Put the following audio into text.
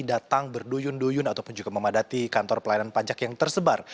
datang berduyun duyun ataupun juga memadati kantor pelayanan pajak yang tersebar